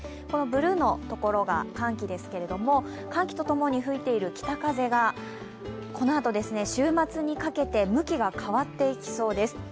このブルーのところが寒気ですけれども寒気とともに吹いている北風がこのあと、週末にかけて向きが変わっていきそうです。